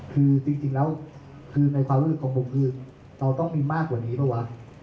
คือจริงแล้วคือในความรู้สึกของผมคือเราต้องมีมากกว่านี้เปล่าวะ